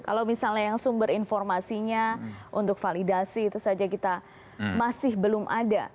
kalau misalnya yang sumber informasinya untuk validasi itu saja kita masih belum ada